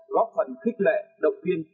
góp phần khích lệ động viên